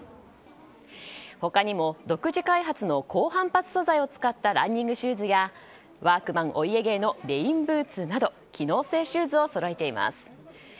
他にも独自開発の高反発素材を使ったランニングシューズやワークマンお家芸のレインブーツなど機能性シューズをそろえています。